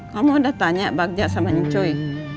kamu udah tanya bagja sama encoy